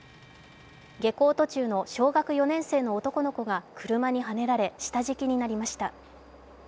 下校途中の小学４年生の男の子が車にはねられ下敷きになりました。